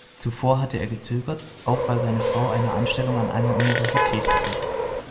Zuvor hatte er gezögert, auch weil seine Frau eine Anstellung an einer Universität hatte.